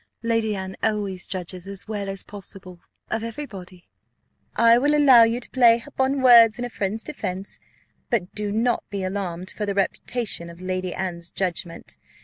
Lady Anne always judges as well as possible of every body." "I will allow you to play upon words in a friend's defence, but do not be alarmed for the reputation of Lady Anne's judgment.